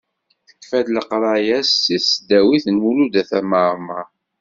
Tekfa-d leqraya-s di tesdawit n Lmulud At Mɛemmer.